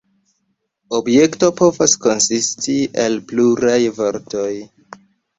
Objekto povas konsisti el pluraj vortoj.